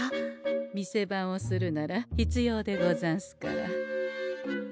店番をするなら必要でござんすから。